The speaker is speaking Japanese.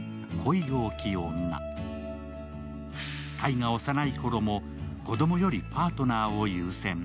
櫂が幼いころも子供よりパートナーを優先。